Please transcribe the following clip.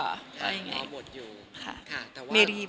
รอหมดอยู่